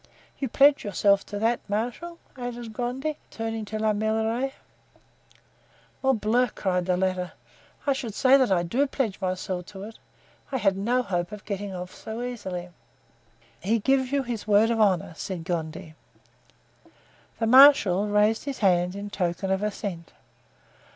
You pledge yourself to that, marshal?" added Gondy, turning to La Meilleraie. "Morbleu!" cried the latter, "I should say that I do pledge myself to it! I had no hope of getting off so easily." "He gives you his word of honor," said Gondy. The marshal raised his hand in token of assent.